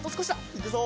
いくぞ！